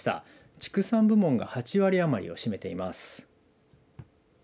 畜産部門が８割余りを占めています。